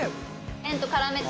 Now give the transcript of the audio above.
麺と絡めて。